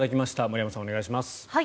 森山さん、お願いします。